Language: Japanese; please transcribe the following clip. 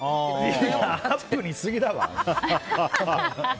いや、アップにしすぎだわ。